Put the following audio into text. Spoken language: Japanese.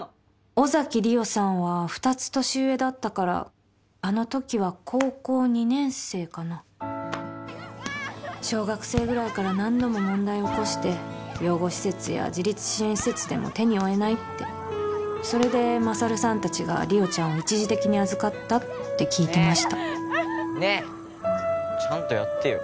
尾崎莉桜さんは２つ年上だったからあの時は高校２年生かな小学生ぐらいから何度も問題を起こして養護施設や自立支援施設でも手に負えないってそれで勝さん達が莉桜ちゃんを一時的に預かったって聞いてましたねえちゃんとやってよ